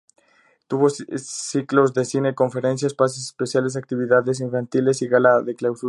Tuvo ciclos de cine, conferencias, pases especiales, actividades infantiles y Gala de Clausura.